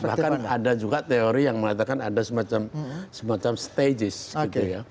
bahkan ada juga teori yang mengatakan ada semacam stages gitu ya